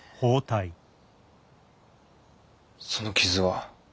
その傷は？